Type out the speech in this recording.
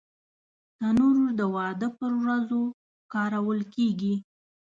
تنور د واده پر ورځو کارول کېږي